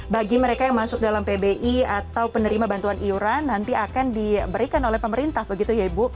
bagi mereka yang masuk dalam pbi atau penerima bantuan iuran nanti akan diberikan oleh pemerintah begitu ya ibu